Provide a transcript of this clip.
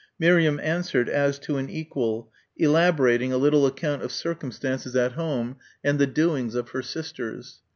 Miriam answered as to an equal, elaborating a little account of circumstances at home, and the doings of her sisters.